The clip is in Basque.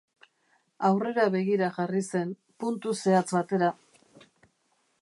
Aurrera begira jarri zen, puntu zehatz batera.